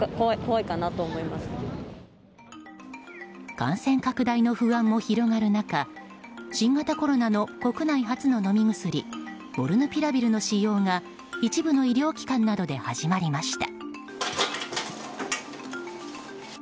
感染拡大の不安も広がる中新型コロナの国内初の飲み薬モルヌピラビルの使用が一部の医療機関などで始まりました。